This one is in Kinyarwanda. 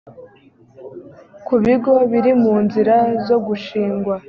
ku bigo biri mu nzira zo gushingwa